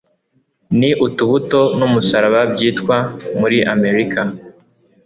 Niki Utubuto n'umusaraba byitwa muri Amerika